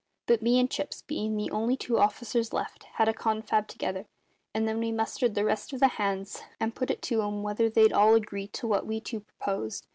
But me and Chips, bein' the only two officers left, had a confab together, and then we mustered the rest of the hands and put it to 'em whether they'd all agree to what we two proposed.